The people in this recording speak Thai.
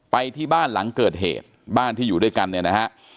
ไปที่บ้านหลังเกิดเหตุบ้านที่อยู่ด้วยกันเนี่ยนะฮะ